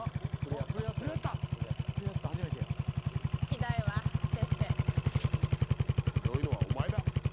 ひどいのはお前だ。